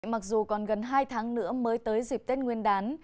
mặc dù còn gần hai tháng nữa mới tới dịp tết nguyên đán